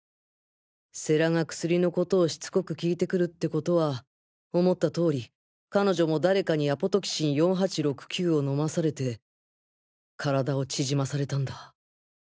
世良が薬のことをしつこく聞いてくるってことは思った通り彼女も誰かにＡＰＴＸ４８６９を飲まされて体を縮まされたんだ。